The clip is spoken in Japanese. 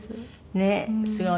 ねえすごい。